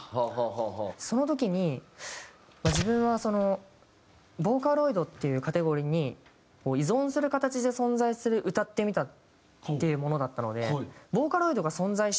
その時に自分はボーカロイドっていうカテゴリーに依存する形で存在する「歌ってみた」っていうものだったので。